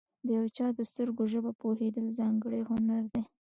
د یو چا د سترګو ژبه پوهېدل، ځانګړی هنر دی.